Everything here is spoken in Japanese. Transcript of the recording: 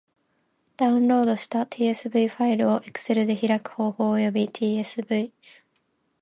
ダウンロードした tsv ファイルを Excel で開く方法及び tsv ...